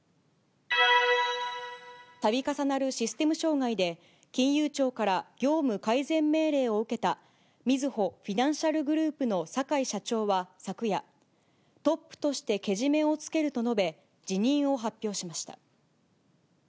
たび重なるシステム障害で、金融庁から業務改善命令を受けた、みずほフィナンシャルグループの坂井社長は昨夜、トップとしてけじめをつけると述べ、辞任を発表しました。